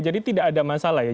jadi tidak ada masalah ya